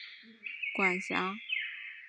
在行政上属于尼永区管辖。